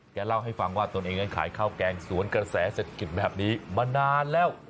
เล่าให้ฟังว่าตนเองนั้นขายข้าวแกงสวนกระแสเศรษฐกิจแบบนี้มานานแล้ว